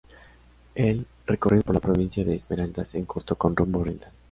El recorrido por la Provincia de Esmeraldas es corto con rumbo oriental.